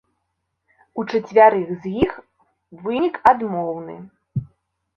У чацвярых з іх вынік адмоўны.